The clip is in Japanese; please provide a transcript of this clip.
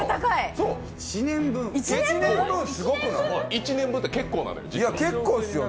１年分って結構なのよ、実は。